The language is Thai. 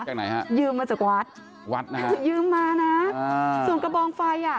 จากไหนครับยืมมาจากวัดยืมมานะส่วนกระบองไฟ